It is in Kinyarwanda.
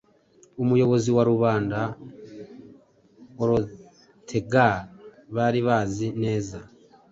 Umuyobozi wa rubanda Hrothgar bari babizi neza